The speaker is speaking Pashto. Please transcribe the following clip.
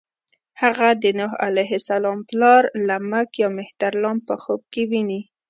هغه د نوح علیه السلام پلار لمک یا مهترلام په خوب کې ويني.